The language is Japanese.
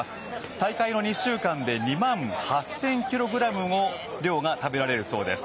大会の２週間で２万８０００ｋｇの量が食べられるそうです。